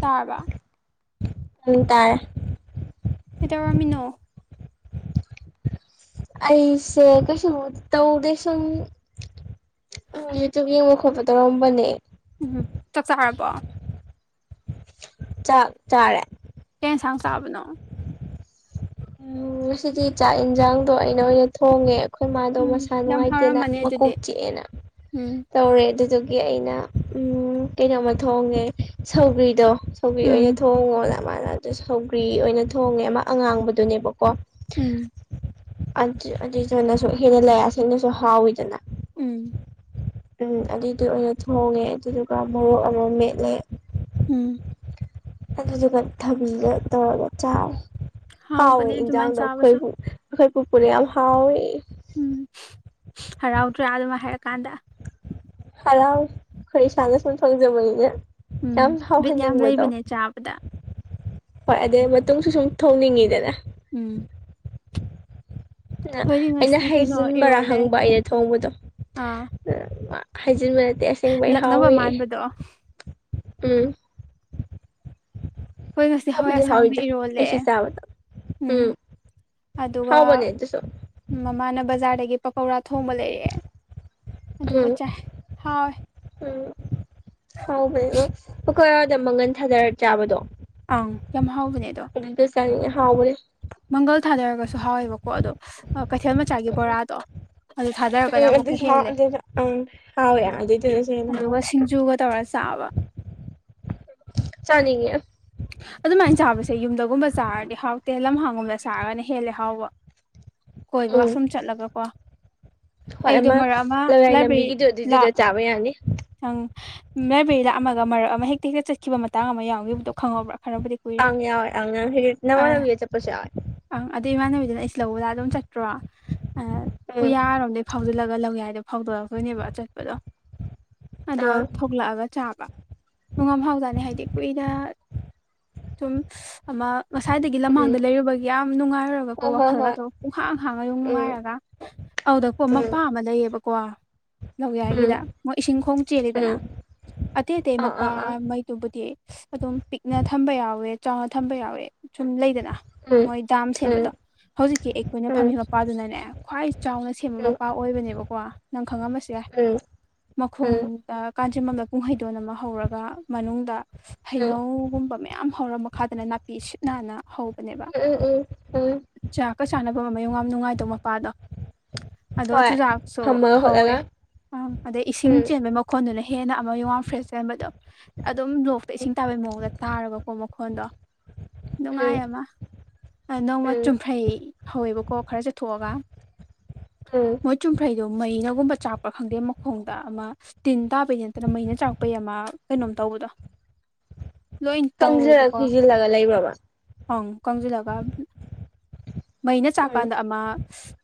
ꯇꯥꯕ꯭ꯔꯥ ꯎꯡ ꯇꯥꯔꯦ ꯀꯩꯗꯧꯔꯝꯃꯤꯅꯣ ꯑꯩꯁꯦ ꯀꯩꯁꯨꯕꯨꯗꯤ ꯇꯧꯗꯦ ꯁꯨꯝ ꯌꯨ-ꯇ꯭ꯌꯨꯕ ꯌꯦꯡꯕ ꯈꯣꯠꯄ ꯇꯧꯔꯝꯕꯅꯦ ꯎꯝ ꯆꯥꯛ ꯆꯥꯔꯕꯣ ꯆꯥꯛ ꯆꯥꯔꯦ ꯀꯩ ꯌꯦꯟꯁꯥꯡ ꯆꯥꯕꯅꯣ ꯎꯝ ꯉꯁꯤꯗꯤ ꯆꯥꯛ ꯌꯦꯟꯁꯥꯡꯗꯣ ꯑꯩꯅ ꯑꯣꯏꯅ ꯊꯣꯡꯉꯦ ꯑꯩꯈꯣꯏ ꯃꯥꯗꯣ ꯎꯝ ꯃꯁꯥ ꯌꯥꯝ ꯅꯨꯡꯉꯥꯏꯇꯦꯅ ꯍꯥꯎꯔꯝꯃꯅꯤ ꯑꯗꯨꯗꯤ ꯃꯀꯣꯛ ꯆꯤꯛꯑꯦꯅ ꯎꯝ ꯇꯧꯔꯦ ꯑꯗꯨꯗꯒꯤ ꯑꯩꯅ ꯀꯩꯅꯣꯝꯃ ꯊꯣꯡꯉꯦ ꯁꯧꯒ꯭ꯔꯤꯗꯣ ꯁꯧꯒ꯭ꯔꯤ ꯎꯝ ꯑꯣꯏꯅ ꯊꯣꯡꯉꯣꯅ ꯃꯥꯅ ꯑꯗꯨ ꯁꯧꯒ꯭ꯔꯤ ꯑꯣꯏꯅ ꯊꯣꯡꯉꯦ ꯑꯃ ꯑꯉꯥꯡꯕꯗꯨꯅꯦꯕꯀꯣ ꯎꯝ ꯑꯗꯨ ꯑꯗꯨꯏꯗꯨꯅꯁꯨ ꯍꯦꯟꯅ ꯑꯁꯤ ꯅꯁꯨ ꯍꯥꯎꯋꯤꯗꯅ ꯎꯝ ꯎꯝ ꯑꯗꯨꯏꯗ‌ꯣ ꯑꯣꯏꯅ ꯊꯣꯡꯉꯦ ꯑꯗꯨꯗꯨꯒ ꯃꯣꯔꯣꯛ ꯑꯃ ꯃꯦꯠꯂꯦ ꯎꯝ ꯑꯗꯨꯗꯨꯒ ꯊꯥꯕꯤꯒ ꯇꯧꯔꯒ ꯆꯥꯔꯦ ꯍꯥꯎꯋꯦ ꯍꯥꯎꯕꯅꯦ ꯑꯗꯨꯃꯥꯏꯅ ꯏꯟꯖꯥꯡꯗꯣ ꯆꯥꯕꯁꯨ ꯑꯩꯈꯣꯏꯒꯤ ꯑꯩꯈꯣꯏ ꯄꯨꯨꯄꯨꯔꯦ ꯌꯥꯝ ꯍꯥꯎꯋꯦꯌꯦ ꯎꯝ ꯍꯔꯥꯎꯗ꯭ꯔꯥ ꯑꯗꯨꯃꯥꯏ ꯍꯥꯏꯔꯛꯀꯥꯟꯗ ꯍꯔꯥꯎꯌꯦ ꯑꯩꯈꯣꯏ ꯏꯁꯥꯅꯁꯨ ꯊꯣꯡꯖꯕꯅꯤꯅ ꯎꯝ ꯌꯥꯝ ꯕꯤꯠ ꯌꯥꯝ ꯍꯥꯎꯍꯟꯅꯤꯡꯕꯗꯣ ꯂꯩꯕꯅꯦ ꯆꯥꯕꯗ ꯍꯣꯏ ꯑꯗꯨꯏ ꯃꯇꯨꯡꯁꯨ ꯁꯨꯝ ꯊꯣꯡꯅꯤꯡꯉꯤꯗꯅ ꯎꯝ ꯅꯥ ꯑꯩꯈꯣꯏꯗꯤ ꯑꯩꯅ ꯉꯁꯤ ꯀꯩꯅꯣ ꯍꯩꯖꯤꯟꯕꯥꯔꯥ ꯏꯔꯣꯜꯂꯦ ꯍꯪꯕ ꯑꯩꯅ ꯊꯣꯡꯕꯗꯣ ꯑꯥ ꯃꯥ ꯍꯥꯏꯖꯤꯟꯕꯩ ꯅꯠꯇꯦ ꯑꯁꯦꯡꯕꯩ ꯂꯛꯅꯕ ꯍꯥꯎꯋꯦꯌꯦ ꯃꯥꯟꯕꯗꯣ ꯎꯝ ꯑꯩꯈꯣꯏ ꯉꯁꯤ ꯍꯋꯥꯏ ꯍꯥꯎꯕꯨꯗꯤ ꯍꯥꯎꯋꯦ ꯑꯁꯥꯡꯕꯤ ꯏꯔꯣꯜꯂꯦ ꯑꯩꯁꯨ ꯆꯥꯕꯗ ꯎꯝ ꯑꯗꯨꯒ ꯍꯥꯎꯕꯅꯦ ꯑꯗꯨꯁꯨ ꯃꯃꯥꯅ ꯕꯖꯥꯔꯗꯒꯤ ꯄꯥꯀꯧꯔꯥ ꯊꯣꯡꯕ ꯂꯩꯔꯛꯑꯦ ꯑꯗꯨꯒ ꯎꯝ ꯆꯥꯏ ꯍꯥꯎꯋꯦ ꯎꯝ ꯍꯥꯎꯕꯅꯦ ꯑꯃ ꯄꯥꯀꯧꯔꯗ ꯃꯪꯒꯟ ꯊꯥꯗꯥꯔꯒ ꯆꯥꯕꯗꯣ ꯑꯪ ꯌꯥꯝ ꯍꯥꯎꯕꯅꯦ ꯑꯗꯣ ꯆꯥꯅꯤꯡꯉꯦ ꯍꯥꯎꯕꯅꯦ ꯃꯪꯒꯜ ꯊꯥꯗꯔꯒꯁꯨ ꯍꯥꯎꯋꯦꯕꯀꯣ ꯑꯗꯣ ꯀꯩꯊꯦꯜ ꯃꯆꯥꯒꯤ ꯎꯝ ꯕꯣꯔꯥꯗꯣ ꯑꯗꯨ ꯊꯥꯗꯔꯛꯒꯅ ꯎꯝ ꯑꯃꯨꯛꯀꯥ ꯑꯗꯨꯁꯨ ꯍꯥꯎ ꯍꯦꯜꯂꯦ ꯑꯗꯨꯅ ꯎꯝ ꯍꯥꯎꯋꯦ ꯑꯗꯨꯏꯗꯨꯅꯁꯨ ꯍꯦꯟꯅ ꯑꯗꯨꯒ ꯍꯥꯎꯋꯦ ꯁꯤꯡꯖꯨꯒ ꯇꯧꯔꯒ ꯆꯥꯕ ꯆꯥꯅꯤꯡꯉꯦ ꯑꯗꯨꯃꯥꯏꯅ ꯆꯥꯕꯁꯦ ꯌꯨꯝꯗꯒꯨꯝꯕ ꯆꯥꯔꯥꯗꯤ ꯍꯥꯎꯇꯦ ꯂꯝꯍꯥꯡꯒꯨꯝꯕꯗ ꯆꯥꯔꯒꯅ ꯍꯦꯜꯂꯦ ꯍꯥꯎꯕ ꯀꯣꯏꯕꯒ ꯎꯝ ꯁꯨꯝ ꯆꯠꯂꯒꯀꯣ ꯑꯩꯗꯣ ꯃꯔꯛ ꯑꯃ ꯂꯥꯏꯕ꯭ꯔꯦꯔꯤ ꯂꯥ ꯑꯣꯏ ꯌꯥꯅꯤ ꯅꯪ ꯃꯦꯕ꯭ꯔꯦꯔꯤ ꯂꯥꯛꯑꯝꯃꯒ ꯃꯔꯛ ꯑꯃ ꯍꯦꯛꯇ-ꯍꯦꯛꯇ ꯆꯠꯈꯤꯕ ꯃꯇꯥꯡ ꯑꯃ ꯌꯥꯎꯒꯤꯕꯗꯣ ꯈꯪꯍꯧꯕ꯭ꯔꯥ ꯈꯔꯕꯨꯗꯤ ꯀꯨꯏꯔꯦ ꯑꯪ ꯌꯥꯎꯋꯦ ꯑꯪ ꯌꯥꯎꯋꯦ ꯍꯦꯔꯤꯠ ꯅꯪ ꯑ ꯉꯥꯔꯒ ꯍꯦꯛꯇ ꯆꯠꯄꯥꯁꯨ ꯌꯥꯎꯋꯦ ꯑꯪ ꯑꯗꯨ ꯏꯃꯥꯟꯅꯕꯤꯗꯨꯅ ꯑꯩꯁꯤ ꯂꯧꯕ ꯂꯥꯛ ꯑꯗꯨꯝ ꯆꯠꯇ꯭ꯔꯣ ꯑꯥ ꯎꯝ ꯎꯌꯥꯔꯣꯝꯗꯩ ꯐꯥꯎꯖꯤꯜꯂꯒ ꯂꯧ ꯌꯥꯏꯗꯥ ꯐꯥꯎꯗꯣꯛꯔꯛꯇꯣꯏꯅꯦꯕ ꯑꯥꯆꯠꯄꯗꯣ ꯑꯗꯣ ꯑꯥ ꯊꯣꯛꯂꯛꯑꯒ ꯆꯥꯕ ꯅꯨꯡꯉꯥꯝ ꯍꯥꯎꯖꯥꯅꯤ ꯍꯥꯏꯗꯤ ꯀꯨꯏꯅ ꯁꯨꯝ ꯑꯃ ꯉꯁꯥꯏꯗꯒꯤ ꯎꯝ ꯂꯝꯍꯥꯡꯗ ꯂꯩꯔꯨꯕꯒꯤ ꯌꯥꯝ ꯅꯨꯡꯉꯥꯏꯔꯨꯔꯒꯀꯣ ꯍꯣꯏ ꯍꯣꯏ ꯍꯣꯏ ꯋꯥꯈꯜꯒꯗꯣ ꯄꯨꯡꯍꯥꯡ-ꯍꯥꯡꯉꯥꯒ ꯌꯣꯝ ꯎꯝ ꯅꯨꯡꯉꯥꯏꯔꯒ ꯑꯧꯗꯥꯀꯣ ꯎꯝ ꯃꯄꯥ ꯑꯃ ꯂꯩꯌꯦꯕ ꯋꯥ ꯂꯧꯌꯥꯏꯒꯤꯗ ꯃꯣꯏ ꯏꯁꯤꯡ ꯈꯣꯡ ꯎꯝ ꯎꯝ ꯆꯦꯜꯂꯤꯗꯅ ꯑꯇꯩ-ꯑꯇꯩ ꯑꯥ ꯃꯄꯥ ꯑꯥ ꯑꯥ ꯃꯩꯇꯨꯕꯨꯗꯤ ꯑꯁ ꯑꯗꯨꯝ ꯄꯤꯛꯅ ꯊꯝꯕ ꯌꯥꯎꯋꯦ ꯆꯥꯎꯅ ꯊꯝꯕ ꯌꯥꯎꯋꯦ ꯁꯨꯝ ꯂꯩꯗꯅ ꯎꯝ ꯃꯣꯏ ꯗꯥꯝ ꯎꯝ ꯁꯦꯝꯕꯗꯣ ꯍꯧꯖꯤꯛꯀꯤ ꯑꯩꯈꯣꯏꯅ ꯎꯝ ꯐꯝꯃꯤ ꯃꯄꯥꯗꯨꯅꯅꯦ ꯈ꯭ꯋꯥꯏ ꯆꯥꯎꯅ ꯁꯦꯝꯕ ꯎꯝ ꯃꯄꯥ ꯑꯣꯏꯕꯅꯦꯕꯀꯣ ꯅꯪ ꯈꯪꯉꯝꯕꯁꯨ ꯌꯥꯏ ꯎꯝ ꯎꯝ ꯃꯈꯣꯡꯗ ꯀꯥꯟꯖꯤꯟꯕꯝꯗ ꯄꯨꯡꯍꯩꯗꯣꯟ ꯑꯃ ꯍꯧꯔꯒ ꯃꯅꯨꯡꯗ ꯍꯩꯅꯧꯒꯨꯝꯕ ꯃꯌꯥꯝ ꯍꯧꯔꯥ ꯃꯈꯥꯗꯅ ꯅꯥꯄꯤ ꯁꯤꯠ ꯅꯥꯟꯅ ꯍꯧꯕꯅꯦꯕ ꯎꯝ ꯎꯝ ꯎꯝ ꯎꯝ ꯆꯥꯛꯀ ꯆꯥꯟꯅꯕ ꯃꯌꯨꯡ ꯌꯥꯝ ꯅꯨꯡꯉꯥꯏꯗꯧ ꯃꯄꯥꯗꯣ ꯑꯗꯣ ꯍꯣꯏ ꯆꯨꯖꯥꯛꯁꯨ ꯐꯝꯃꯒ ꯍꯧꯋꯦ ꯈꯣꯠꯂꯒ ꯑ ꯑꯗꯩ ꯎꯝ ꯏꯁꯤꯡ ꯩ ꯃꯈꯣꯟꯗꯨꯅ ꯍꯦꯟꯅ ꯑꯃꯩꯋꯥꯡ ꯐ꯭ꯔꯦꯁꯆ ꯆꯦꯟꯕꯗꯣ ꯑꯗꯨꯝ ꯂꯣꯛꯇ ꯎꯝ ꯏꯁꯤꯡ ꯇꯥꯕꯩ ꯃꯑꯣꯡꯗ ꯇꯥꯔꯕꯀꯣ ꯃꯥ ꯈꯣꯟꯗꯣ ꯎꯝ ꯅꯨꯡꯉꯥꯏ ꯑꯃ ꯅꯣꯡꯃꯥ ꯎꯝ ꯆꯨꯝꯐ꯭ꯔꯩ ꯍꯧꯋꯦꯕꯀꯣ ꯈꯔꯥ ꯆꯠꯊꯣꯛꯑꯒ ꯎꯝ ꯃꯣꯏ ꯆꯨꯝꯐ꯭ꯔꯩꯗꯣ ꯃꯩꯅꯒꯨꯝꯕ ꯆꯥꯛꯄ ꯈꯪꯗꯦ ꯃꯈ ꯈꯣꯡꯗ ꯑꯃ ꯇꯤꯟ ꯇꯥꯕꯩ ꯅꯠꯇꯅ ꯃꯩꯅ ꯆꯥꯔꯛꯄꯩ ꯑꯃ ꯀꯩꯅꯣꯝ ꯇꯧꯕꯗꯣ ꯂꯣꯏ ꯀꯪꯁꯤꯜꯂ ꯇꯧꯋꯦꯕꯀꯣ ꯊꯤꯖꯤꯜꯂꯒ ꯂꯩꯕ꯭ꯔꯣꯕ ꯑꯪ ꯀꯪꯁꯤꯜꯂꯒ ꯃꯩꯅ ꯎꯝ ꯆꯥꯛꯀꯥꯟꯗ ꯑꯃ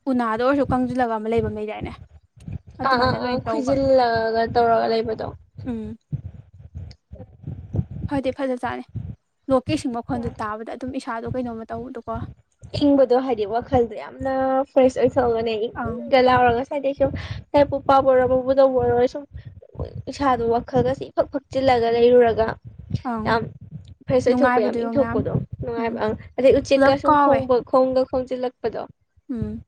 ꯎꯅꯥꯗ ꯑꯣꯏꯔꯁꯨ ꯀꯪꯁꯤꯜꯂꯒ ꯑꯃ ꯂꯩꯕꯉꯗꯥꯏꯅꯦ ꯑꯥ ꯑꯥ ꯑꯗꯨꯃꯥꯏꯅ ꯑꯥ ꯂꯣꯏꯅ ꯈꯣꯏꯖꯤꯜꯂꯒ ꯇꯧꯔꯒ ꯂꯩꯕꯗꯣ ꯎꯝ ꯐꯗꯤꯦ ꯐꯖ ꯆꯥꯠꯅꯤ ꯂꯣꯛꯀꯦꯁꯤꯡ ꯃꯈꯜꯗꯨꯣ ꯇꯥꯕꯗ ꯑꯗꯨꯝ ꯏꯁꯥꯗꯣ ꯀꯩꯅꯣꯝꯃ ꯇꯧꯕꯗꯀꯣ ꯏꯪꯕꯗꯣ ꯍꯥꯏꯗꯤ ꯋꯥꯈꯜꯗꯣ ꯌꯥꯝꯅ ꯐ꯭ꯔꯦꯁ ꯑꯣꯏ ꯁꯣꯛꯒꯅꯦ ꯑꯪ ꯏꯪꯒ ꯂꯥꯎꯔꯒ [unintelligible] ꯁꯨꯝ ꯏꯁꯥꯗꯣ ꯋꯥꯈꯜꯒꯁꯤ ꯏꯐꯛ ꯐꯛꯆꯤꯜꯂꯒ ꯂꯩꯔꯨꯔꯒ ꯑꯪ ꯌꯥꯝ ꯐ꯭ꯔꯦꯁ ꯑꯣꯏꯊꯣꯛꯄ ꯌꯥꯝ ꯅꯨꯡꯉꯥꯏꯕꯗꯣ ꯌꯦꯡꯉꯣ ꯃꯌꯥꯝ ꯏꯪꯊꯣꯛꯄꯗꯣ ꯎꯝ ꯅꯨꯡꯉꯥꯏꯕ ꯑꯪ ꯑꯗꯩ ꯎꯆꯦꯛꯀ ꯄꯨꯂꯞ ꯁꯨꯝ ꯀꯥꯎꯋꯦ ꯈꯣꯡꯕ ꯈꯣꯡꯒ ꯈꯣꯡꯖꯤꯜꯂꯛꯄꯗꯣ ꯎꯝ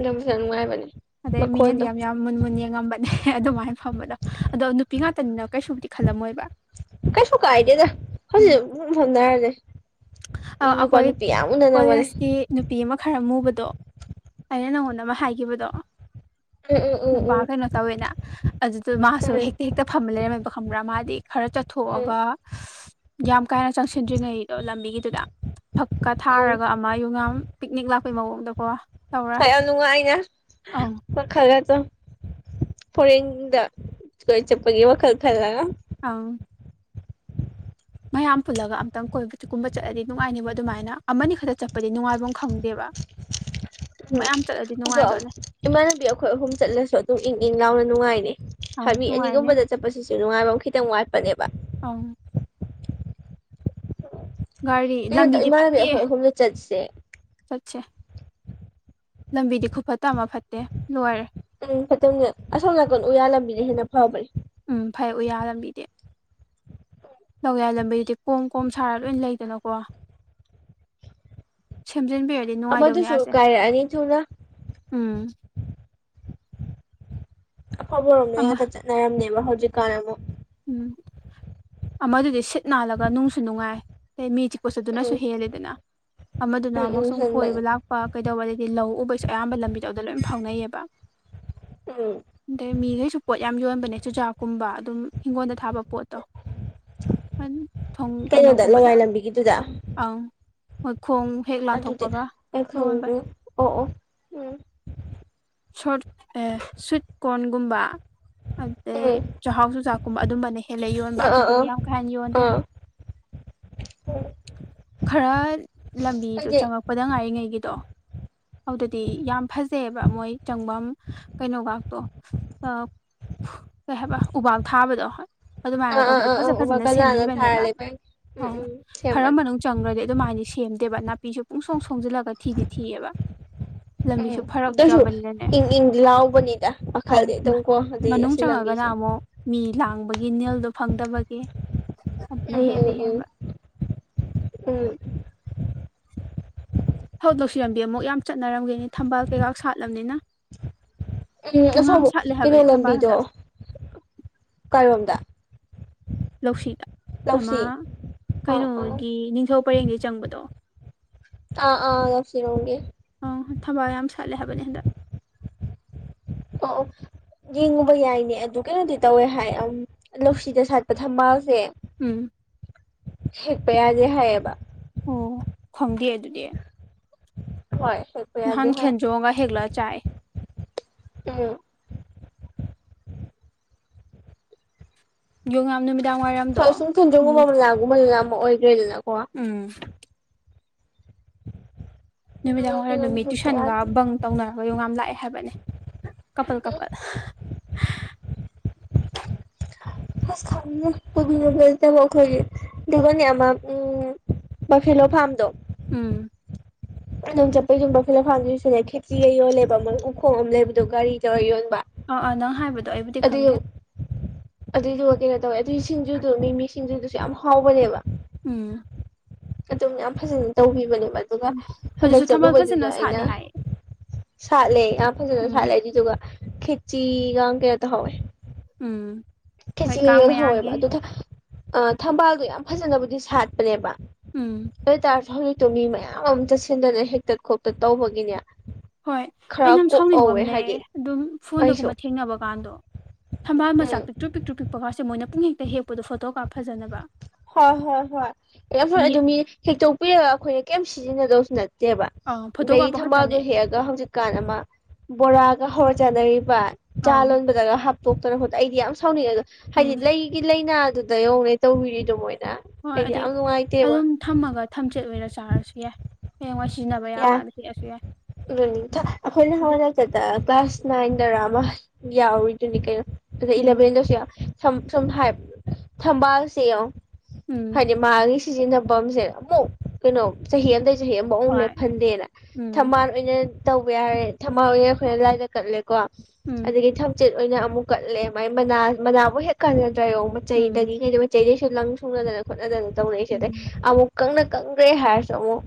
ꯅꯨꯡꯁ [unintelligible] ꯅꯨꯡꯉꯥꯏꯕꯅꯦ ꯑꯗꯩ ꯃꯤꯅꯗꯤ ꯃꯈꯣꯟꯗꯣ ꯌꯥꯝ ꯌꯥꯎ__ ꯃꯨꯟ ꯃꯨꯟ ꯌꯦꯡꯉꯝꯕꯅꯦ ꯑꯗꯨꯃꯥꯏꯅ ꯐꯝꯕꯗꯣ ꯑꯗꯣ ꯅꯨꯄꯤ ꯉꯥꯛꯇꯅꯤꯅ ꯀꯩꯁꯨꯕꯨꯗꯤ ꯈꯜꯂꯝꯃꯣꯏꯕ ꯀꯩꯁꯨ ꯀꯥꯏꯗꯦꯗ ꯎꯝ ꯍꯧꯖꯤꯛ [unintelligible] ꯍꯣꯠꯅꯔꯦ ꯑ ꯃꯤ ꯅꯨꯄꯥ ꯑꯩꯈꯣꯏ ꯅꯨꯄꯤ ꯌꯥꯝ ꯎꯅ ꯅꯕꯅꯦ ꯀꯣꯂꯦꯖꯀꯤ ꯅꯨꯄꯤ ꯑꯃ ꯈꯔ ꯃꯨꯕꯗꯣ ꯑꯩꯅ ꯅꯪꯉꯣꯟꯗ ꯑꯃ ꯍꯥꯏꯒꯤꯕꯗꯣ ꯎꯝ ꯎꯝ ꯎꯝ ꯅꯨꯄꯥ ꯎꯝ ꯀꯩꯅꯣ ꯇꯧꯋꯦꯅ ꯑꯗꯨꯗꯨ ꯃꯥꯁꯨ ꯎꯝ ꯍꯦꯛꯇ ꯍꯦꯛꯇ ꯐꯝꯕ ꯂꯩꯔꯝꯃꯦꯕ ꯈꯪꯕ꯭ꯔꯥ ꯃꯥꯗꯤ ꯈꯔ ꯎꯝ ꯆꯠꯊꯣꯛꯑꯒ [unintelligible] ꯌꯥꯝ ꯀꯥ ꯍꯦꯟꯅ ꯆꯪꯁꯤꯟꯗ꯭ꯔꯤꯉꯩ ꯑ ꯂꯝꯕꯤꯒꯤꯗꯨꯗ ꯐꯛꯀ ꯎꯝ ꯊꯥꯔꯒ ꯃꯥꯌꯨꯉꯥꯝ ꯄꯤꯛꯅꯤꯛ ꯂꯥꯛꯄꯩ ꯃꯑꯣꯡꯗꯀꯣ ꯇꯧꯔ ꯀꯌꯥꯝ ꯅꯨꯡꯉꯥꯏꯅ ꯑꯪ ꯋꯥꯈꯜ ꯒꯥꯗꯣ ꯐꯣꯔꯦꯟꯗ ꯀꯣꯏ ꯆꯠꯄꯒꯤ ꯋꯥꯈꯜ ꯈꯜꯂꯒ ꯑꯥꯎ ꯃꯌꯥꯝ ꯄꯨꯜꯂꯒ ꯑꯝꯇꯪ ꯀꯣꯏꯕꯒꯨꯝꯕ ꯆꯠꯂꯗꯤ ꯅꯨꯡꯉꯥꯏꯅꯤꯕ ꯑꯗꯨꯃꯥꯏꯅ ꯑꯃꯅꯤ ꯈꯛꯇ ꯆꯠꯄꯗꯤ ꯅꯨꯡꯉꯥꯏꯕꯝ ꯈꯪꯗꯦꯕ ꯎꯝ ꯃꯌꯥꯝ ꯆꯠꯂꯗꯤ ꯑꯗꯣ ꯅꯨꯡꯉꯥꯏꯗꯣꯏꯅꯦ ꯏꯃꯥꯟꯅꯕꯤ ꯑꯩꯈꯣꯏ ꯑꯍꯨꯝ ꯆꯠꯂꯁꯨ ꯑꯗꯨꯝ ꯏꯪ ꯏꯪ ꯂꯥꯎꯅ ꯅꯨꯡꯉꯥꯏꯅꯤ ꯑꯪ ꯍꯥꯏꯕꯤ ꯅꯨꯡꯉꯥꯏꯅꯦ ꯑꯅꯤꯒꯨꯝꯕꯗ ꯆꯠꯄꯁꯤꯁꯨ ꯅꯨꯡꯉꯥꯏꯕꯝ ꯈꯤꯇꯪ ꯋꯥꯠꯄꯅꯦꯕ ꯑꯪ ꯒꯥꯔꯤ ꯀꯩꯅꯣ ꯂꯝꯕꯤꯗꯤ ꯏꯃꯥꯟꯅꯕꯤ ꯐꯠꯇꯦ ꯑꯩꯈꯣꯏ ꯑꯍꯨꯝꯗ ꯆꯠꯁꯦ ꯆꯠꯁꯦ ꯂꯝꯕꯤꯗꯤ ꯈꯨꯐ ꯇꯑꯃ ꯐꯠꯇꯦ ꯂꯣꯏꯔꯦ ꯎꯝ ꯐꯠꯇꯕꯅꯦ ꯑꯁꯣꯝ ꯅꯥꯀꯣꯟ ꯎꯌꯥ ꯂꯝꯕꯤꯅ ꯍꯦꯟꯅ ꯐꯕꯅꯦ ꯎꯝ ꯐꯩ ꯎꯌꯥ ꯂꯝꯕꯤꯗꯤ ꯂꯧꯌꯥꯏ ꯂꯝꯕꯤꯗꯨꯗꯤ ꯀꯣꯝ ꯀꯣꯝ ꯁꯥꯔꯒ ꯂꯣꯏꯟ ꯂꯩꯗꯅꯀꯣ ꯁꯦꯝꯖꯤꯟꯕꯤꯔꯗ__ ꯑꯃꯗꯨꯁꯨ ꯀꯥꯏꯔꯛꯑꯅꯤ ꯊꯨꯅ ꯎꯝ ꯑꯐꯕ ꯔꯣꯝꯗꯩ ꯑꯃ ꯉꯥꯠꯇ ꯆꯠꯅꯔꯝꯅꯦꯕ ꯍꯧꯖꯤꯛꯀꯥꯟ ꯑꯃꯨꯛ ꯎꯝ ꯑꯃꯗꯨꯗꯤ ꯁꯤꯠ ꯅꯥꯜꯂꯒ ꯅꯨꯡꯁꯨ ꯅꯨꯡꯉꯥꯏ ꯑꯗꯩ ꯃꯤ ꯆꯤꯛꯄꯁꯨ ꯑꯗꯨꯅꯁꯨ ꯎꯝ ꯍꯦꯜꯂꯦꯗꯅ ꯑꯃꯗꯨꯅ ꯎꯝ ꯑꯃꯨꯛ ꯎꯝ ꯁꯨꯝ ꯍꯦꯟꯕꯅꯦ ꯀꯣꯏꯕ ꯂꯥꯛꯄ ꯀꯩꯗꯧꯕ ꯑꯗꯩꯗꯤ ꯂꯧ ꯎꯕꯩꯁꯨ ꯑꯌꯥꯝꯕ ꯂꯝꯕꯤꯗꯣ ꯑꯗꯩ ꯂꯣꯏ ꯐꯥꯎꯅꯩꯌꯦꯕ ꯎꯝ ꯑꯗꯩ ꯃꯤꯒꯩꯁꯨ ꯄꯣꯠ ꯌꯥꯝ ꯌꯣꯟꯕꯅꯦ ꯆꯨꯖꯥꯛꯀꯨꯝꯕ ꯑꯗꯨꯝ ꯍꯤꯡꯒꯣꯟꯗ ꯊꯥꯕ ꯄꯣꯠꯇꯣ ꯊꯣꯡ ꯀꯩꯅꯣꯗ ꯀꯩꯅꯣꯒꯨꯝꯕꯗ ꯂꯋꯥꯏ ꯂꯝꯕꯤꯒꯤꯗꯨꯗ ꯑꯪ ꯃꯣꯏ ꯈꯣꯡ ꯍꯦꯛ ꯑꯗꯨꯗꯤ ꯂꯥꯟꯊꯣꯛꯄꯒ ꯑꯩ ꯌꯣꯟꯕꯅꯦ ꯈꯪꯗ꯭ꯔꯤ ꯑꯣ ꯑꯣ ꯎꯝ ꯁꯣꯔꯠ ꯑꯦ ꯁ꯭ꯋꯤꯠ ꯀꯣ꯭ꯔꯟꯒꯨꯝꯕ ꯑꯗꯩ ꯎꯝ ꯆꯥꯛꯍꯥꯎ ꯆꯨꯖꯥꯛꯀꯨꯝꯕ ꯑꯗꯨꯝꯕꯅ ꯍꯦꯜꯂꯦ ꯌꯣꯟꯕ ꯑꯥ ꯑꯇꯣꯞꯄꯗꯤ ꯑꯥ ꯑꯥ ꯌꯥꯝ ꯀꯥ ꯍꯦꯟꯅ ꯌꯣꯟꯗꯦ ꯑꯥ ꯈꯔ ꯂꯝꯕꯤꯗꯨ ꯑꯩꯗꯤ ꯆꯪꯉꯛꯄꯗ ꯉꯥꯏꯔꯤꯉꯩꯒꯤꯗꯣ ꯑꯗꯨꯗꯗꯤ ꯌꯥꯝ ꯐꯖꯩꯑꯕ ꯃꯣꯏ ꯆꯪꯐꯝ ꯀꯩꯅꯣꯒꯥꯛꯇꯣ ꯑꯥ ꯀꯩ ꯍꯥꯏꯕ ꯎꯕꯥꯛ ꯊꯥꯕꯗꯣ ꯍꯣꯏ ꯑꯥ ꯑꯗꯨꯃꯥꯏꯅꯒ ꯑꯥ ꯇꯧꯕꯗꯣ ꯑꯥ ꯑꯥ ꯐꯖ ꯎꯃ ꯐꯖꯅ ꯀꯖꯥꯅ ꯊꯥꯔ ꯁꯦꯝꯕꯤꯕꯅꯦꯕ ꯂꯩꯕꯩ ꯑ ꯎꯝ ꯎꯝ ꯁꯦꯝꯕꯅꯤ ꯐꯔꯝꯃꯅꯨꯡ__ ꯆꯪꯒ꯭ꯔꯗꯤ ꯑꯗꯨꯃꯥꯏꯗꯤ ꯁꯦꯝꯗꯦꯕ ꯅꯥꯄꯤꯁꯨ ꯄꯨꯡꯁꯣꯡ ꯁꯣꯡꯖꯤꯜꯂꯒ ꯊꯤꯗꯤ ꯊꯤꯌꯦꯕ ꯎꯝ ꯑꯗꯨꯏꯁꯨ ꯏꯪ ꯏꯪꯗꯤ ꯂꯥꯎꯕꯅꯤꯗ ꯑꯪ ꯄꯥꯈꯜꯂꯦꯗꯨꯝ ꯀꯣ ꯑꯗꯩ ꯃꯅꯨꯡ ꯑꯁꯤ ꯆꯪꯉꯒꯅ ꯂꯝꯕꯤꯁꯦ ꯑꯃꯨꯛ ꯃꯤ ꯂꯥꯡꯕꯒꯤ ꯅꯤꯜꯗꯣ ꯐꯪꯗꯕꯒꯤ ꯑꯗꯨꯅ ꯎꯝ ꯍꯦꯟꯗꯤ ꯎꯝ ꯎꯝ ꯍꯦꯟꯕ ꯎꯝ ꯍꯧ ꯂꯧꯁꯤꯔꯝꯕꯤ ꯑꯃꯨꯛ ꯌꯥꯝ ꯆꯠꯅꯔꯝꯒꯤꯅꯤ ꯊꯝꯕꯥꯜ ꯀꯩꯀꯥꯛ ꯁꯥꯠꯂꯞꯅꯤꯅ ꯎꯝ ꯑꯁꯣꯝ ꯀꯩꯅꯣ ꯍꯥꯏꯕꯅꯤ ꯊꯝꯕꯥꯜ ꯂꯝꯕꯤꯗꯣ ꯍꯟꯗꯛ ꯀꯥꯏꯔꯣꯝꯗ ꯂꯧꯁꯤꯗ ꯑꯃ ꯂꯧꯁꯤ ꯑꯥ ꯑꯥ ꯀꯩꯅꯣꯒꯤ ꯅꯤꯡꯊꯧ ꯄꯔꯦꯡꯗꯩ ꯆꯪꯕꯗꯣ ꯑꯥ ꯑꯥ ꯂꯧꯁꯤꯔꯣꯝꯒꯤ ꯑ ꯊꯕꯥꯜ ꯌꯥꯝ ꯁꯥꯠꯂꯦ ꯍꯥꯏꯕꯅꯤ ꯍꯟꯗꯛ ꯑꯣ ꯑꯣ ꯌꯦꯡꯉꯨꯕ ꯌꯥꯏꯅꯦ ꯑꯗꯨ ꯀꯩꯅꯣꯗꯤ ꯇꯧꯋꯦ ꯍꯥꯏ ꯑꯝ ꯂꯧꯁꯤꯗ ꯁꯥꯠꯄ ꯊꯝꯕꯥꯜꯁꯦ ꯎꯝ ꯍꯦꯛꯄ ꯌꯥꯗꯦ ꯍꯥꯏꯌꯦꯕ ꯑꯣ ꯈꯪꯗꯦ ꯑꯗꯨꯗꯤ ꯍꯣꯏ ꯌꯥꯗꯦ ꯅꯍꯥꯟ ꯍꯥꯏ ꯈꯦꯟꯖꯣꯡꯒ ꯍꯦꯛꯂ ꯆꯥꯏ ꯎꯝ ꯌꯣꯡꯌꯥꯝ ꯅꯨꯃꯤꯗꯥꯡ ꯋꯥꯏꯔꯝꯗꯣ ꯃꯤ ꯃꯣꯏ ꯑꯌꯥꯝꯕ ꯑꯣꯏꯗꯣꯏꯅꯤꯅꯥꯀꯣ ꯎꯝ ꯑꯗꯨꯒ ꯅꯨꯃꯤꯗꯥꯡ ꯋꯥꯏꯔꯝꯗꯨ ꯀꯩꯅꯣꯗꯤ ꯃꯤ ꯍꯦꯛꯄ ꯇꯨꯏꯁꯟꯒ ꯌꯥꯗꯦ ꯕꯪ ꯇꯧꯅꯔꯒ ꯌꯣꯡꯌꯥꯝ ꯂꯥꯛꯑꯦ ꯍꯥꯏꯕꯅꯦ ꯀꯄꯜ ꯀꯄꯜ꯫ ꯑꯁ ꯈꯪꯗꯦ ꯄꯨꯕꯤꯅꯕꯥ ꯂꯩꯇꯕ ꯑꯈꯣꯏꯗꯤ ꯗꯨꯒꯅꯦ ꯑꯃꯥ ꯎꯝ ꯕꯐꯦꯂꯣ ꯐꯥꯝꯗꯣ ꯎꯝ ꯑꯗꯣꯝ ꯆꯠꯄꯩꯗꯨ ꯕꯐꯦꯂꯣ ꯐꯥꯝꯒꯤꯁꯨꯅꯦ ꯈꯦꯆꯔꯤꯒ ꯌꯣꯜꯂꯦꯕ ꯃꯣꯏ ꯎꯈꯣꯡ ꯑꯃ ꯂꯩꯕꯗꯣ ꯒꯥꯔꯤ ꯇꯧꯔ ꯌꯣꯟꯕ ꯑꯥ ꯑꯥ ꯅꯪ ꯍꯥꯏꯕꯗꯣ ꯑꯩꯕꯨꯗꯤ ꯈꯪꯗꯦ ꯑꯗꯨꯏꯗꯨ ꯑꯗꯨꯏꯗꯨꯒ ꯀꯩꯅꯣ ꯇꯧꯋꯦ ꯑꯗꯨꯒꯤ ꯁꯤꯡꯖꯨꯗꯨ ꯃꯤꯃꯤ ꯁꯤꯡꯖꯨꯗꯨꯁꯨ ꯌꯥꯝ ꯍꯥꯎꯕꯅꯦꯕ ꯎꯝ ꯑꯗꯨꯝ ꯌꯥꯝ ꯐꯖꯅ ꯇꯧꯕꯤꯕꯅꯦꯕ ꯑꯗꯨꯒ ꯎꯝ ꯍꯟꯗꯛ ꯑꯗꯨꯁꯨ ꯊꯝꯕꯥꯜ ꯆꯠꯂꯨꯕꯩꯗꯨꯗ ꯐꯖꯅ ꯑꯩꯅ ꯁꯥꯠꯂꯦ ꯍꯥꯏꯌꯦ ꯁꯥꯠꯂꯦ ꯌꯥꯝ ꯐꯖꯅ ꯎꯝ ꯁꯥꯠꯂꯦ ꯑꯗꯨꯏꯗꯨꯒ ꯈꯦꯆꯤꯒꯥꯡ ꯀꯩꯅꯣ ꯇꯍꯧꯋꯤ ꯎꯝ ꯍꯣꯏ ꯈꯦꯆꯤꯒ ꯀꯥꯡ ꯌꯣꯜꯍꯧꯋꯦꯕ ꯃꯌꯥꯒꯤ ꯑꯗꯨ ꯊꯝ ꯑ ꯊꯝꯕꯥꯜꯗꯣ ꯌꯥꯝ ꯐꯖꯅꯕꯨꯗꯤ ꯁꯥꯠꯄꯅꯦꯕ ꯎꯝ ꯑꯗꯣꯏꯇꯥꯔꯁꯨ ꯍꯧꯖꯤꯛꯇꯣ ꯃꯤ ꯃꯌꯥꯝ ꯑꯃꯨꯛ ꯆꯠꯁꯤꯟꯗꯅ ꯍꯦꯛꯇꯠ ꯈꯣꯇꯠ ꯇꯧꯕꯒꯤꯅꯦ ꯍꯣꯏ ꯑꯩꯅ ꯈꯔ ꯌꯥꯝ ꯁꯥꯎꯅꯤꯡꯕꯃ ꯀꯣꯛꯍꯧꯋꯦ ꯂꯩꯌꯦ ꯍꯥꯏꯗꯤ ꯑꯗꯨꯝ ꯑꯩꯁꯨ ꯐꯣꯟꯗꯒꯨꯝꯕ ꯊꯦꯡꯅꯕ ꯀꯥꯟꯗꯣ ꯊꯝꯕꯥꯜ ꯃꯆꯥ ꯎꯝ ꯄꯤꯛꯇ꯭ꯔꯨ ꯄꯤꯛꯇ꯭ꯔꯨ ꯄꯤꯛꯄꯒꯥꯁꯦ ꯃꯣꯏꯅ ꯄꯨꯡ ꯍꯦꯛꯇ ꯍꯦꯛꯄꯗꯣ ꯐꯣꯇꯣ ꯀꯥꯞ ꯐꯖꯅꯕ ꯍꯣꯏ ꯍꯣꯏ ꯍꯣꯏ ꯌꯥꯝ ꯐꯣꯏ ꯑꯗꯨ ꯃꯤ ꯍꯦꯛꯇꯣꯛꯄꯤꯔꯒ ꯑꯩꯈꯣꯏꯅ ꯀꯩꯝ ꯁꯤꯖꯤꯟꯅꯗꯧꯁꯨ ꯅꯠ ꯇꯦꯕ ꯑꯪ ꯐꯣꯇꯣ ꯑꯗꯒꯤ ꯀꯥꯞꯄ ꯊꯝꯕꯥꯜꯗꯣ ꯈꯛꯇꯅꯦ ꯍꯦꯛꯑꯒ ꯍꯧꯖꯤꯛ ꯀꯥꯟ ꯑꯃ ꯕꯣꯔꯥꯒ ꯍꯧꯔ ꯆꯥꯅꯔꯤꯕ ꯆꯥ ꯑꯪ ꯂꯣꯟꯕꯗꯒ ꯍꯥꯞ ꯇꯣꯛꯇꯅ ꯈꯣꯠꯇ ꯑꯩꯗꯤ ꯌꯥꯝ ꯁꯥꯎꯅꯤꯡꯉꯦ ꯑꯗꯣ ꯍꯥꯏꯗꯤ ꯎꯝ ꯂꯩꯒꯤ ꯂꯩꯏꯅꯥꯗꯨꯗ ꯌꯦꯡꯉꯣꯅꯦ ꯇꯧꯕꯤꯔꯤꯗꯣ ꯃꯣꯏꯅ ꯍꯣꯏ ꯑꯩꯗꯤ ꯑꯗꯩ ꯌꯥꯝ ꯅꯨꯡꯉꯥꯏꯇꯦꯕ ꯑꯗꯨꯝ ꯊꯝꯃꯒ ꯊꯝꯆꯦꯠ ꯑꯣꯏꯅ ꯆꯥꯔꯁꯨ ꯌꯥꯏ ꯍꯌꯦꯡꯋꯥꯏ ꯁꯤꯖꯤꯟꯅꯕ ꯌꯥ ꯌꯥꯀꯥꯟꯗ ꯍꯦꯛꯑꯁꯨ ꯌꯥꯏ [unintelligible] ꯑꯈꯣꯏ ꯑꯗꯩ ꯅꯍꯥꯋꯥꯏꯔꯝ ꯇꯥꯗ ꯀ꯭ꯂꯥꯁ ꯅꯥꯏꯟꯗꯔꯥ ꯑꯃ ꯌꯥꯎꯔꯤꯗꯨꯅꯤ ꯀꯩꯅꯣ ꯑꯗꯨ ꯎꯝ ꯏꯂꯚꯦꯟꯗꯁꯨ ꯌꯥꯎꯏ ꯊꯝ ꯁꯨꯝ ꯍꯥꯏꯞ ꯊꯝꯕꯥꯜꯁꯦꯌꯣ ꯎꯝ ꯍꯥꯏꯗꯤ ꯃꯥꯒꯤ ꯁꯤꯖꯤꯟꯅꯕꯝꯁꯦ ꯑꯃꯨꯛ ꯀꯩꯅꯣ ꯆꯍꯤ ꯑꯃꯗꯩ ꯆꯍꯤ ꯑꯃꯨꯛ ꯑꯃꯨꯛ ꯂꯦꯞ ꯍꯣꯏ ꯗꯦꯔ ꯎꯝ ꯊꯝꯕꯥꯜ ꯑꯣꯏꯅ ꯇꯧꯕ ꯌꯥꯔꯦ ꯊꯝꯃꯜ ꯑꯣꯏꯅ ꯑꯩꯈꯣꯏꯅ ꯂꯥꯏꯗ ꯀꯠꯂꯦꯀꯣ ꯎꯝ ꯑꯗꯩ ꯊꯝꯆꯦꯠ ꯑꯣꯏꯅ ꯑꯃꯨꯛ ꯀꯠꯂꯦ ꯃꯥꯏ ꯃꯅꯥ ꯃꯅꯥꯕꯨ ꯍꯦꯛ ꯀꯥꯟꯅꯗ꯭ꯔꯥ ꯌꯦꯡꯉꯨ ꯃꯆꯩꯗꯒꯤ ꯎꯝ ꯀꯩꯗꯒꯤ ꯆꯩꯗꯩꯁꯨ ꯂꯪ ꯁꯨꯡꯅꯗꯅ ꯈꯣꯠꯅꯗꯅ ꯇꯧꯔꯛ ꯏꯁꯦ ꯑꯗꯩ ꯎꯝ ꯑꯃꯨꯛ ꯀꯪꯅ ꯀꯪꯒꯔꯦ ꯍꯥꯏꯔꯁꯨ ꯑꯃꯨꯛ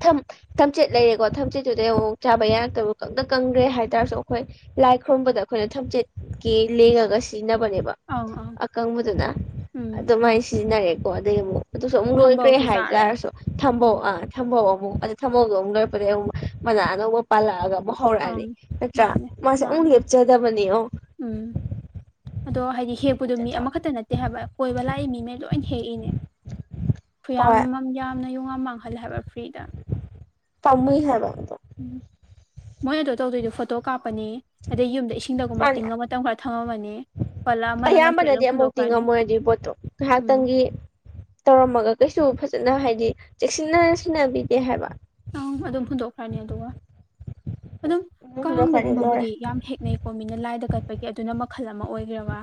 ꯊꯝ ꯊꯝꯆꯦꯠ ꯂꯩꯔꯦꯀꯣ ꯊꯝꯆꯦꯠꯇꯨꯗꯩ ꯑꯃꯨꯛ ꯆꯥꯕ ꯌꯥꯔꯛꯇꯕ ꯀꯪꯗ ꯀꯪꯈ꯭ꯔꯦ ꯍꯥꯏꯇꯥꯥꯔꯁꯨ ꯑꯩꯈꯣꯏ ꯂꯥꯏ ꯈꯨꯔꯨꯝꯕꯗ ꯑꯩꯈꯣꯏꯅ ꯊꯝꯆꯦꯠꯀꯤ ꯂꯦꯡꯉꯒ ꯁꯤꯖꯤꯟꯅꯕꯅꯦꯕ ꯑꯪ ꯑꯪ ꯑꯀꯪꯕꯗꯨꯅ ꯎꯝ ꯑꯗꯨꯃꯥꯏꯅ ꯁꯤꯖꯤꯟꯅꯔꯦꯀꯣ ꯑꯩ ꯑꯃꯨꯛ ꯑꯗꯨꯁꯨ ꯑꯃꯨꯛ ꯂꯣꯏꯈ꯭ꯔꯦ ꯊꯝꯕꯧꯁꯨ ꯆꯥꯔꯦ ꯍꯥꯏꯇꯥꯔꯁꯨ ꯊꯝꯕꯧ ꯎꯝ ꯑꯥ ꯊꯝꯕꯧ ꯑꯧ ꯑꯃꯨꯛ ꯑ ꯊꯝꯕꯧꯗꯣ ꯑꯃꯨꯛ ꯂꯣꯏꯔꯄꯗꯩ ꯑꯃꯨꯛ ꯃꯅꯥ ꯑꯅꯧꯕ ꯄꯥꯜꯂꯛꯑꯒ ꯑꯃꯨꯛ ꯑꯪ ꯍꯧꯔꯛꯑꯅꯤ ꯅꯠꯇ꯭ꯔꯥ ꯃꯥꯅꯦ ꯃꯥꯁꯦ ꯑꯃꯨꯛ ꯃꯥꯅꯦ ꯂꯦꯞꯆꯗꯕꯅꯤ ꯑꯣ ꯎꯝ ꯑꯗꯣ ꯍꯥꯏꯗꯤ ꯍꯦꯞ ꯗꯨ ꯃꯤ ꯌꯦꯡꯉꯣ ꯑꯃꯈꯛꯇ ꯅꯠꯇꯦ ꯍꯥꯏꯕ ꯀꯣꯏꯕ ꯂꯥꯛꯏ ꯃꯤꯃꯩ ꯂꯣꯏꯅ ꯍꯦꯛꯏꯅꯦ ꯈꯨꯌꯥꯝ ꯍꯣꯏ ꯑꯃ ꯌꯥꯝ ꯗꯨꯅ ꯌꯣꯡ ꯌꯥꯝ ꯃꯥꯡꯍꯜꯂꯦꯕ ꯐ꯭ꯔꯤꯗ ꯇꯃꯨꯏ ꯍꯥꯏꯕ ꯑꯗꯣ ꯎꯝ ꯃꯣꯏ ꯑꯗꯨ ꯇꯧꯗꯣꯏꯗꯣ ꯐꯣꯇꯣ ꯀꯥꯞꯄꯅꯤ ꯑꯗꯩ ꯌꯨꯝꯗ ꯏꯁꯤꯡꯗꯒꯨꯝꯕ ꯃꯥꯅꯦ ꯇꯤꯡꯉꯃ [unintelligible] ꯑꯌꯥꯝꯕꯅꯗꯤ ꯑꯃꯣꯛ ꯇꯤꯡꯉꯝꯃꯣꯏ ꯑꯗꯨꯒꯤ ꯄꯣꯠꯇꯣ ꯎꯝ ꯉꯥꯏꯍꯥꯛꯇꯪꯒꯤ ꯇꯧꯔꯝꯃꯒ ꯀꯩꯁꯨ ꯐꯖꯅ ꯍꯥꯏꯗꯤ ꯆꯦꯛꯁꯤꯟꯅ ꯁꯤꯟꯅꯕꯤꯗꯦ ꯍꯥꯏꯕ ꯑꯗꯨꯝ ꯍꯨꯟꯗꯣꯛꯈ꯭ꯔꯅꯤ ꯑꯗꯨꯒ ꯑꯗꯨꯝ ꯍꯨꯝꯂꯛꯀꯅꯤ ꯂꯣꯏꯔꯦ ꯀꯥꯡꯗꯒꯨꯝꯕꯕꯨꯗꯤ ꯌꯥꯝ ꯍꯦꯛꯅꯩ ꯄꯣ ꯃꯤꯅ ꯂꯥꯏꯗ ꯀꯠꯄꯒꯤ ꯑꯗꯨꯅ ꯃꯈꯜ ꯑꯃ ꯑꯣꯏꯒ꯭ꯔꯦꯕ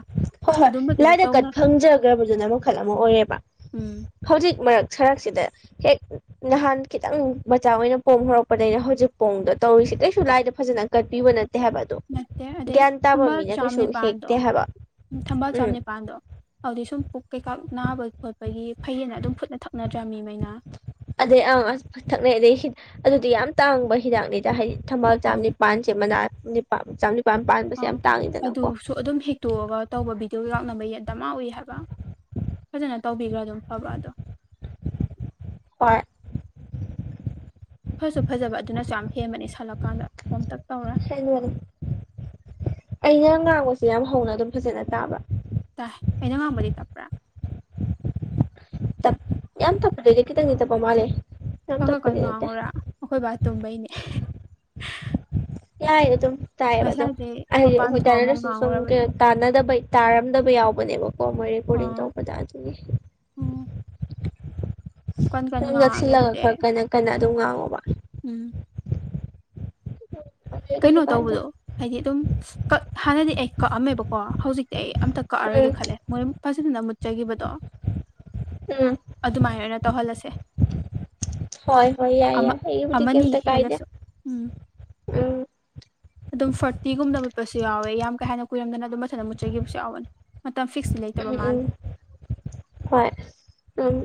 ꯍꯣꯏ ꯍꯣꯏ ꯂꯥꯏꯗ ꯀꯠ ꯐꯪꯖꯒ꯭ꯔꯕꯗꯨꯅ ꯃꯈꯜ ꯑꯃ ꯑꯣꯏꯌꯦꯕ ꯎꯝ ꯍꯧꯖꯤꯛ ꯃꯔꯛ ꯁꯔꯛꯁꯤꯗ ꯍꯦꯛ ꯅꯍꯥꯟ ꯈꯤꯇꯪ ꯃꯆꯥ ꯑꯣꯏꯅ ꯄꯣꯝ ꯍꯧꯔꯛꯄꯗꯒꯤꯅ ꯍꯧꯖꯤꯛ ꯄꯣꯝꯗꯣ ꯇꯧꯔꯤꯁꯤ ꯀꯩꯁꯨ ꯂꯥꯏꯗ ꯐꯖꯅ ꯀꯠꯄꯤꯕ ꯅꯠꯇꯦ ꯍꯥꯏꯕ ꯑꯗꯣ ꯅꯠꯇꯦ ꯑꯗꯩ ꯒ꯭ꯌꯥꯟ ꯇꯥꯕ ꯊꯝꯕꯥꯜ ꯃꯤꯅ ꯆꯥꯝ ꯀꯩꯁꯨ ꯅꯤꯄꯥꯟꯗꯣ ꯍꯦꯛꯇꯦ ꯍꯥꯏꯕ ꯊꯝꯕꯥꯜ ꯆꯥꯝ ꯎꯝ ꯅꯤꯄꯥꯜꯗꯣ ꯑꯗꯨꯗꯤ ꯁꯨꯝ ꯄꯨꯛ ꯀꯩꯀꯥ ꯅꯥꯕ ꯈꯣꯠꯄꯒꯤ ꯐꯩꯌꯦꯅ ꯑꯗꯨꯝ ꯐꯨꯠꯂ ꯊꯛꯅꯗ꯭ꯔ ꯃꯤ ꯃꯩꯅ ꯑꯗꯩ ꯑ ꯑꯁ ꯊꯛꯅꯩ ꯑꯗꯩ ꯑꯗꯨꯗꯤ ꯌꯥꯝ ꯇꯥꯡꯕ ꯍꯤꯗꯥꯛꯅꯤꯗ ꯍꯥꯏꯗꯤ ꯊꯝꯕꯥꯜ ꯑꯪ ꯆꯥꯝꯅꯤꯄꯥꯟꯁꯦ ꯃꯅꯥ ꯅꯤꯄꯥꯟ ꯆꯥꯝꯅꯤꯞ ꯑꯥ ꯑꯗꯨꯁꯨ ꯑꯗꯨꯝ ꯍꯦꯛꯇꯣꯛꯑꯒ ꯇꯧꯕ ꯚꯤꯗꯤꯑꯣ ꯀꯩꯀꯥ ꯅꯝꯕꯩ ꯗꯃꯥ ꯎꯏ ꯍꯥꯏꯕ ꯐꯖꯅ ꯇꯧꯕꯤꯒ꯭ꯔ ꯑꯗꯨꯝ ꯐꯕ ꯑꯗꯣ ꯍꯣꯏ ꯐꯁꯨ ꯐꯖꯕ ꯑꯗꯨꯅꯁꯨ ꯌꯥꯝ ꯍꯦꯟꯕꯅꯤ ꯁꯥꯜꯂꯛꯀꯥꯟꯗ ꯄꯣꯝꯇꯛ ꯇꯧꯔ ꯀꯩꯅꯣꯅꯤ ꯑꯩꯅ ꯉꯥꯡꯕꯁꯦ ꯌꯥꯝ ꯍꯧꯅ ꯑꯗꯨꯝ ꯐꯖꯅ ꯇꯥꯕ꯭ꯔꯥ ꯇꯥꯏ ꯑꯩꯅ ꯉꯥꯡꯕꯗꯤ ꯇꯞꯄ꯭ꯔꯥ ꯇꯞ ꯌꯥꯝ ꯇꯞꯄꯗꯤꯗꯤ ꯈꯤꯇꯪꯗꯤ ꯇꯞꯄ ꯃꯥꯜꯂꯦ ꯌꯥꯝ ꯈꯔ ꯈꯔ ꯀꯟ ꯇꯞꯄꯗꯤ ꯅꯠꯇꯦ ꯉꯥꯡꯉꯨꯔꯥ ꯑꯩꯈꯣꯏ ꯕꯥ ꯇꯨꯝꯕꯩꯅꯦ ꯌꯥꯏꯗ ꯑꯗꯨꯝ ꯇꯥꯏꯌꯦꯕꯗꯣ ꯉꯁꯥꯏꯗꯤ ꯑꯩꯅ ꯍꯥꯏꯗꯤ ꯃꯄꯥꯟ ꯑꯩꯈꯣꯢ ꯊꯣꯛꯑ ꯑꯃꯨꯛ ꯇꯥꯟꯗ꯭ꯔꯁꯨ ꯁꯨꯝ ꯉꯥꯡꯉꯨꯔꯕꯅꯦ ꯀꯩꯅꯣ ꯇꯅꯗꯕꯩ ꯇꯥꯔꯝꯗꯕ ꯌꯥꯎꯕꯅꯦꯕꯀꯣ ꯃꯣꯏ ꯔꯦꯀꯣꯔꯗꯤꯡ ꯑꯥ ꯇꯧꯕꯗ ꯑꯗꯨꯒꯤ ꯎꯝ ꯀꯟ ꯀꯟ ꯁꯨꯝ ꯉꯥꯡꯉꯒꯦ ꯅꯛꯁꯤꯜꯂꯒ ꯑꯗꯨꯗꯤ ꯈꯔ ꯀꯟꯅ ꯀꯟꯅ ꯑꯗꯨꯝ ꯉꯥꯡꯉꯣꯕ ꯎꯝ ꯑꯗꯨꯗꯤ ꯀꯩꯅꯣ ꯀꯩꯁꯨ ꯀꯥꯏꯗꯦ ꯇꯧꯕꯗꯣ ꯍꯥꯏꯗꯤ ꯑꯗꯨꯝ ꯍꯥꯟꯅꯗꯤ ꯑꯩ ꯀꯛꯑꯝꯃꯦꯕꯀꯣ ꯍꯧꯖꯤꯛꯇꯤ ꯑꯩ ꯑꯝꯇ ꯎꯝ ꯀꯛꯑꯔꯣꯏꯒꯦ ꯈꯜꯂꯦ ꯃꯣꯏ ꯐꯖꯅ ꯃꯨꯠꯆꯈꯤꯕꯗꯣ ꯎꯝ ꯑꯗꯨꯃꯥꯏꯅ ꯑꯣꯏꯅ ꯇꯧꯍꯜꯂꯁꯦ ꯍꯣꯏ ꯍꯣꯏ ꯌꯥꯏ ꯌꯥꯏ ꯑꯃ ꯑꯩꯒꯤꯕꯨꯗꯤ ꯑꯃꯅꯤ ꯀꯩꯝꯇ ꯀꯥꯏꯗꯦ ꯍꯦꯜꯂꯁꯨ ꯎꯝ ꯎꯝ ꯑꯗꯨꯝ ꯐꯥꯔꯇꯤꯒꯨꯝꯗ ꯃꯨꯠꯄꯁꯨ ꯌꯥꯎꯋꯦ ꯌꯥꯝ ꯀꯩ ꯍꯦꯟꯅ ꯀꯨꯏꯔꯝꯗꯅ ꯑꯗꯨꯝ ꯃꯊꯟ ꯃꯨꯠꯆꯈꯤꯕꯁꯨ ꯌꯥꯎꯕꯅꯤ ꯃꯇꯝ ꯐꯤꯛꯁ ꯎꯝ ꯎꯝ ꯍꯣꯏ ꯎꯝ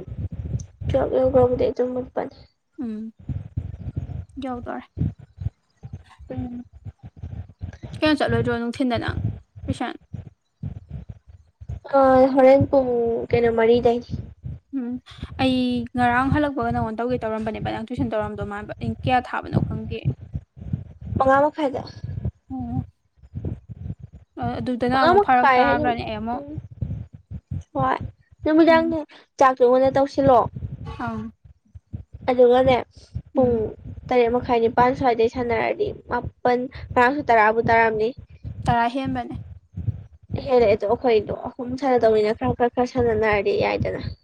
ꯇꯨꯋꯦꯜꯚ ꯂꯣꯏꯒ꯭ꯔꯕꯨꯗꯤ ꯑꯗꯨꯝ ꯅꯨꯄꯅꯤ ꯎꯝ ꯌꯥꯎꯗꯣꯔꯦ ꯎꯝ ꯀꯩꯅꯣ ꯆꯠꯂꯣꯏꯗ꯭ꯔꯣ ꯅꯨꯡꯊꯤꯟꯗ ꯅꯪ ꯇꯨꯏꯁꯟ ꯑ ꯍꯣꯔꯦꯟ ꯄꯨꯡ ꯀꯩꯅꯣ ꯃꯔꯤꯗꯩꯅꯤ ꯍꯝ ꯑꯩ ꯉꯔꯥꯡ ꯍꯜꯂꯛꯄꯒ ꯅꯉꯣꯟ ꯇꯧꯒꯦ ꯇꯧꯔꯝꯕꯅꯦꯕ ꯅꯪ ꯇꯨꯏꯁꯟ ꯇꯧꯔꯝꯗꯧ ꯃꯥꯟꯕ ꯑꯩ ꯀꯌꯥ ꯊꯥꯕꯅꯣ ꯈꯪꯗꯦ [inaudible] ꯃꯉꯥ ꯑꯃ ꯈꯥꯢꯗ ꯑꯣ ꯑꯗꯨꯗꯅ ꯃꯉꯥ ꯑꯃꯨꯛ ꯐꯔꯛ ꯃꯈꯥꯢ ꯍꯥꯢꯗꯣ ꯇꯥꯈ꯭ꯔꯅꯤ ꯑꯩ ꯑꯃꯨꯛ ꯎꯪ ꯍꯣꯏ ꯎꯝ ꯅꯨꯃꯤꯗꯥꯡꯅꯦ ꯆꯥꯛꯑꯒ ꯑꯣꯢꯅ ꯇꯧꯁꯤꯜꯂꯣ ꯑꯝ ꯑꯗꯨꯒꯅꯦ ꯄꯨꯡ ꯎꯝ ꯇꯔꯦꯠ ꯃꯈꯥꯢ ꯅꯤꯄꯥꯜ ꯁ꯭ꯋꯥꯏꯗꯩ ꯁꯥꯟꯅꯔꯗꯤ ꯃꯥꯄꯜ ꯉꯔꯥꯡꯁꯨ ꯇꯔꯥꯕꯨ ꯇꯥꯔꯝꯅꯤ ꯇꯔꯥ ꯍꯦꯟꯕꯅꯦ ꯍꯦꯜꯂꯛꯑꯦꯗꯣ ꯑꯩꯈꯣꯏꯗꯣ ꯑꯍꯨꯝ ꯁꯥꯟꯅꯗꯧꯅꯤꯅ ꯈꯔ ꯈꯔ ꯈꯔ ꯁꯥꯟꯅꯅꯔꯗꯤ ꯌꯥꯏꯗꯅ